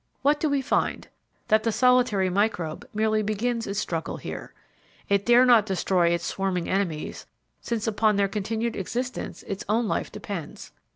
What do we find? That the solitary microbe merely begins its struggle here. It dare not destroy its swarming enemies since upon their continued existence its own life depends.